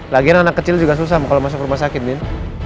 lagian anak kecil juga susah mau masuk ke rumah sakit din